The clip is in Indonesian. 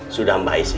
sudah mbah isi